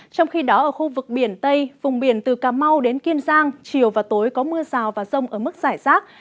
trong khi đó ở khu vực biển tây vùng biển từ cà mau đến kiên giang chiều và tối có mưa rào và rông ở mức giải rác